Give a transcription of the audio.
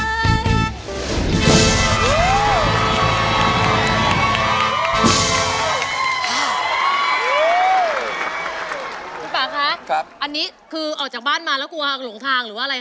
คุณป่าคะอันนี้คือออกจากบ้านมาแล้วกลัวหลงทางหรือว่าอะไรค